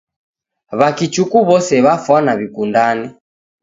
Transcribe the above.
W'akichuku w'ose w'afanwa w'ikundane